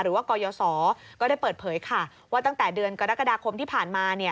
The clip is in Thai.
กรยศก็ได้เปิดเผยค่ะว่าตั้งแต่เดือนกรกฎาคมที่ผ่านมา